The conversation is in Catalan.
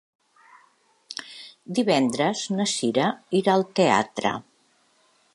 Divendres na Cira irà al teatre.